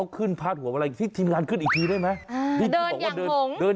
โอ้โฮได้เจ็บใจ